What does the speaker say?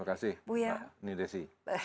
terima kasih pak nidesi